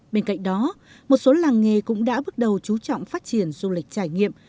bên cạnh đó một số làng nghề cũng đã bước đầu chú trọng phát triển du lịch trải nghiệm